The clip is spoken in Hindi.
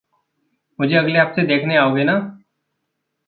मुझे अगले हफ़्ते देखने आओगे ना?